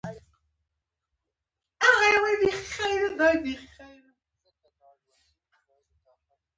د مرستو مشروع لګښت مهم دی.